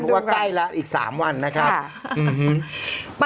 โอเคโอเคโอเคโอเค